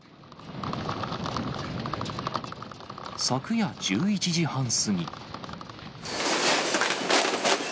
昨夜１１時半過ぎ。